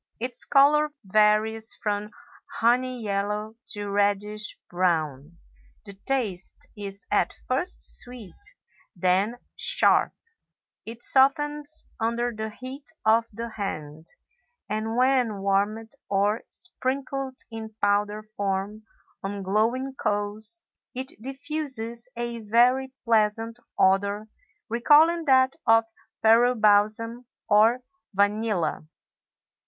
Its color varies from honey yellow to reddish brown; the taste is at first sweet, then sharp, it softens under the heat of the hand, and when warmed or sprinkled in powder form on glowing coals it diffuses a very pleasant odor recalling that of Peru balsam or vanilla.